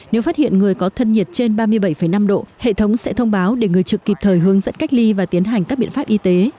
nếu phát hiện người có thân nhiệt trên ba mươi bảy năm độ hệ thống sẽ thông báo để người trực kịp thời hướng dẫn cách ly và tiến hành các biện pháp y tế